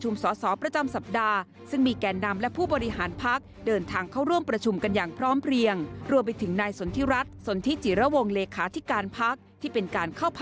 ไม่ว่าอย่างไหนประเทศหรือต่างประเทศ